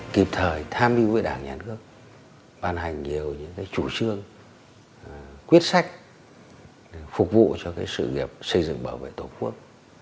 kịp thời tham mưu với đảng nhà nước bàn hành nhiều những chủ trương quyết sách phục vụ cho sự nghiệp xây dựng bảo vệ tổ quốc